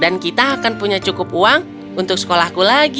dan kita akan punya cukup uang untuk sekolahku lagi